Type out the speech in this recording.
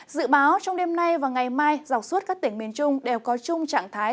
dự báo trong đêm nay và ngày mai dọc suốt các tỉnh miền trung đều có chung trạng thái